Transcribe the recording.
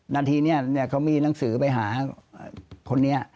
นาทีนี้เขามีหนังสือไปหาคนนี้